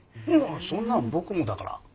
そんなん僕もだから。